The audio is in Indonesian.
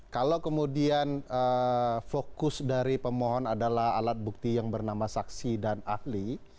kalau kemudian fokus dari pemohon adalah alat bukti yang bernama saksi dan ahli